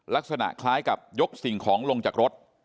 ลักษณะคล้ายกับยกสิ่งของลงจากรถ